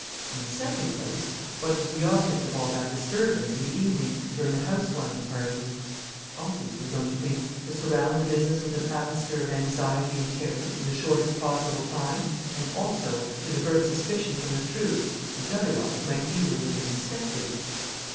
In the second place, what was the object of all that disturbance, in the evening, during the house warming party? Obviously, don't you think, to surround the business with an atmosphere of anxiety and terror, in the shortest possible time, and also to divert suspicion from the truth, which, otherwise, might easily have been suspected?...